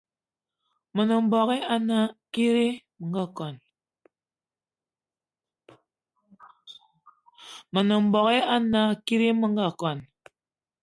Me nem mbogue ana kiri me nga kwan